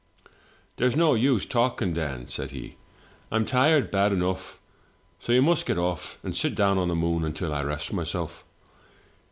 *" There's no use talking, Dan,' said he; 'I'm tired bad enough, so you must get off, and sit down on the moon until I rest myself.'